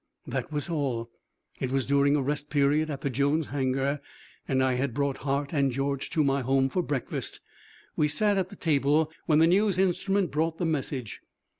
That was all. It was during a rest period at the Jones hangar and I had brought Hart and George to my home for breakfast. We sat at the table when the news instrument brought the message.